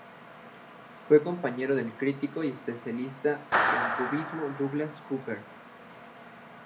Fue compañero del crítico y especialista en cubismo Douglas Cooper.